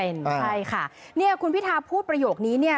ใช่ค่ะนี่คุณพิธาพูดประโยคนี้